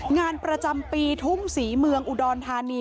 งานประจำปีทุ่งศรีเมืองอุดรธานี